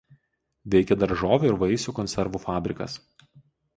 Veikia daržovių ir vaisių konservų fabrikas.